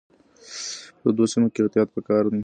په تودو سیمو کې احتیاط پکار دی.